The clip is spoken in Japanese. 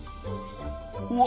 うわ！